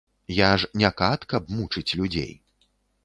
Я ж не кат, каб мучыць людзей.